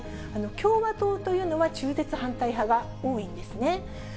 共和党というのは中絶反対派が多いんですね。